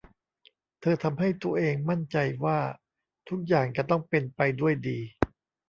เธอทำให้ตัวเองมั่นใจว่าทุกอย่างจะต้องเป็นไปด้วยดี